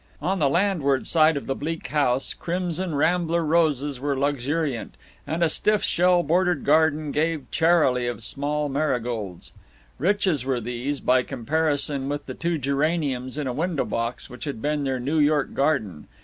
On the landward side of the bleak house, crimson rambler roses were luxuriant, and a stiff shell bordered garden gave charily of small marigolds. Riches were these, by comparison with the two geraniums in a window box which had been their New York garden.